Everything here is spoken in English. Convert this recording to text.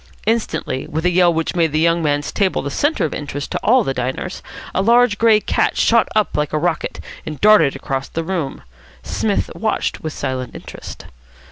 Instantly, with a yell which made the young man's table the centre of interest to all the diners, a large grey cat shot up like a rocket, and darted across the room. Psmith watched with silent interest.